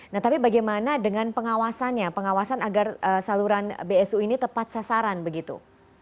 nah tapi bagaimana dengan pengawasannya pengawasan agar saluran bsu ini tepat sasaran begitu